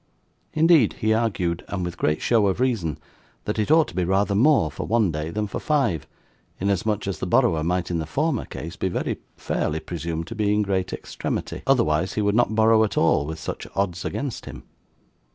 Indeed he argued, and with great show of reason, that it ought to be rather more for one day than for five, inasmuch as the borrower might in the former case be very fairly presumed to be in great extremity, otherwise he would not borrow at all with such odds against him.